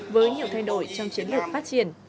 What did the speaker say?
với nhiều thay đổi trong chiến lược phát triển